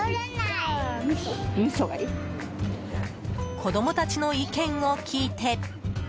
子供たちの意見を聞いて。